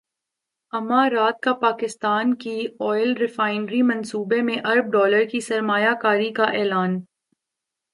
امارات کا پاکستان کی ئل ریفائنری منصوبے میں ارب ڈالر کی سرمایہ کاری کا اعلان